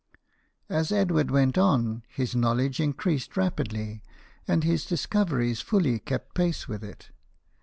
As Edward went on, his knowledge increased rapidly, and his discoveries fully kept pace with it.